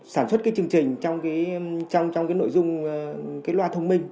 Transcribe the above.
sản xuất cái chương trình trong cái nội dung cái loa thông minh